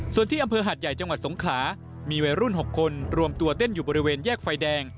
ส่วนที่อำเภอหาดใหญ่จังหวัดสงขลามีวัยรุ่น๖คนรวมตัวเต้นอยู่บริเวณแยกไฟแดง